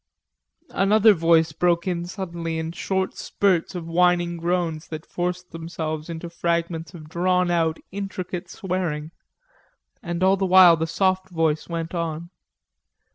Another voice broke in suddenly in short spurts of whining groans that formed themselves into fragments of drawn out intricate swearing. And all the while the soft voice went on.